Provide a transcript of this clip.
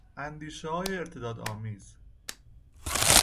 اندیشههای ارتدادآمیز